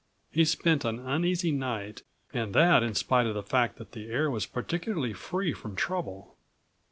He spent an uneasy night and that in spite of the fact that the air was particularly free from trouble.